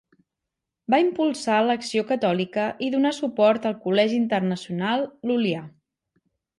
Va impulsar l'Acció Catòlica i donà suport al Col·legi Internacional Lul·lià.